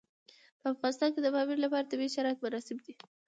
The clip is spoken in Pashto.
په افغانستان کې د پامیر لپاره طبیعي شرایط مناسب دي.